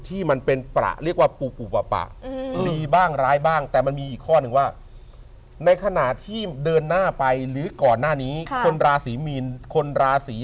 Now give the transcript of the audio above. หมายความว่าเขาเป็นยังไง